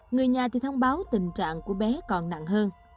người nhà thì thông báo tình trạng của bé còn nặng hơn